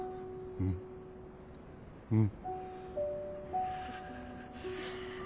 うんうん。